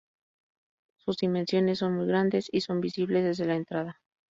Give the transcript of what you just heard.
Sus dimensiones son muy grandes y son visibles desde la entrada.